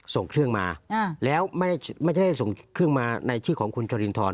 ส่งเครื่องมาแล้วไม่ได้ส่งเครื่องมาในชื่อของคุณจรินทร